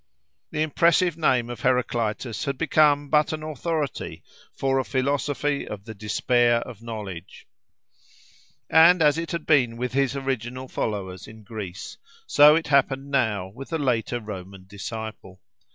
The impressive name of Heraclitus had become but an authority for a philosophy of the despair of knowledge. And as it had been with his original followers in Greece, so it happened now with the later Roman disciple.